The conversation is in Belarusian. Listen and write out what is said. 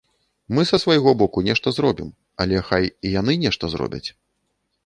Мы са свайго боку нешта зробім, але, хай і яны нешта зробяць.